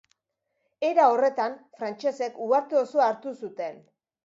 Era horretan, frantsesek uharte osoa hartu zuten.